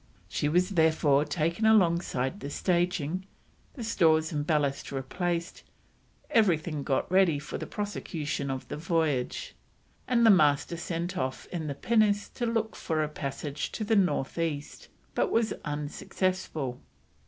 She was therefore taken alongside the staging, the stores and ballast replaced, everything got ready for the prosecution of the voyage, and the Master sent off in the pinnace to look for a passage to the north east; but was unsuccessful.